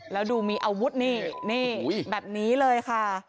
แล้วดูมีอาวุธนี่นี่แบบนี้เลยค่ะ